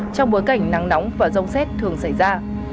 trong bối cảnh nắng nóng và rông xét thường xảy ra